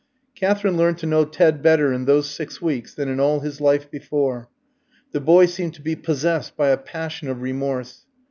Katherine learned to know Ted better in those six weeks than in all his life before. The boy seemed to be possessed by a passion of remorse.